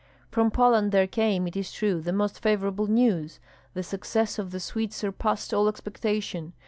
From Poland there came, it is true, the most favorable news. The success of the Swedes surpassed all expectation.